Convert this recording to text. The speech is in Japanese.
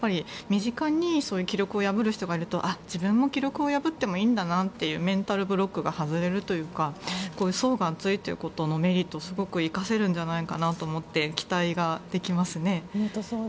身近にそういう記録を破る人がいると自分も記録を破ってもいいんだなとメンタルブロックが外れるというか層が厚いということのメリットを生かせるんじゃないのかなと期待ができますね。